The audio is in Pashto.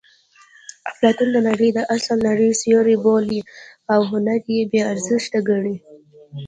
اپلاتون دا نړۍ د اصلي نړۍ سیوری بولي او هنر یې بې ارزښته ګڼي